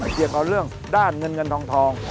เกี่ยวกับเรื่องด้านเงินเงินทอง